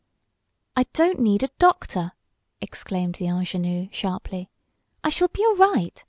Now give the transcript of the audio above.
"I don't need a doctor!" exclaimed the ingenue, sharply. "I shall be all right.